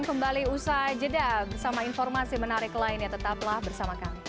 kembali usai jeda bersama informasi menarik lainnya tetaplah bersama kami